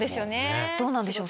どうなんでしょう？